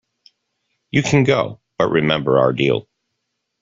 You can go, but remember our deal.